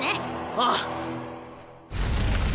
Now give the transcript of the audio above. ああ！